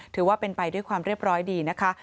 ถือว่าเป็นไปด้วยความเรียบร้อยดีนะคะ